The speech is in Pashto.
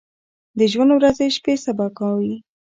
د ژوند ورځې شپې سبا کوي ۔